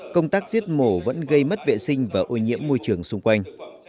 công tác giết mổ vẫn gây mất vệ sinh và ô nhiễm môi trường xung quanh